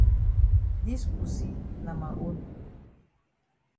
Dis pussy na ma own.